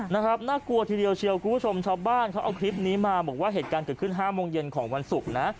น่ากลัวทีเดียวเชียวคุณผู้ชมชาวบ้านเขาเอาคลิปนี้มาบอกว่าเหตุการณ์เกิดขึ้น๕โมงเย็นของวันศุกร์นะ